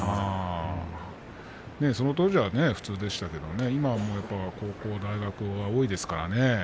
その当時は普通でしたけど今は高校、大学が多いですからね。